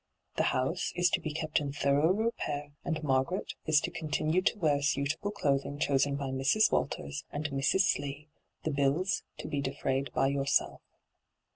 The house is to be kept in thorough repair, and Margaret is to continue to wear suitable clothing chosen by Mrs. Walters and Mrs. Slee, the bills to be defrayed by yourself.